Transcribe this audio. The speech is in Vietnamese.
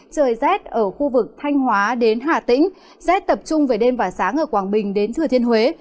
trời rét ở khu vực thanh hóa đến hà tĩnh rét tập trung về đêm và sáng ở quảng bình đến thừa thiên huế